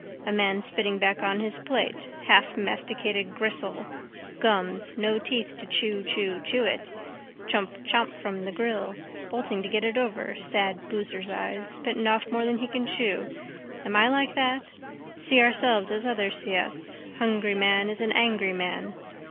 A man spitting back on his plate: halfmasticated gristle: gums: no teeth to chewchewchew it. Chump chop from the grill. Bolting to get it over. Sad booser's eyes. Bitten off more than he can chew. Am I like that? See ourselves as others see us. Hungry man is an angry man.